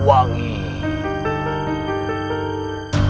itu kamu semua